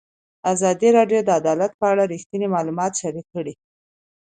ازادي راډیو د عدالت په اړه رښتیني معلومات شریک کړي.